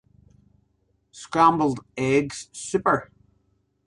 Scrambled Eggs Super!